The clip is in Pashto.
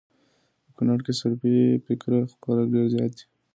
په کونړ کي سلفي فکره خلک ډير زيات دي